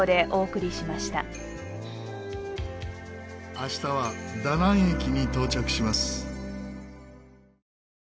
明日はダナン駅に到着します。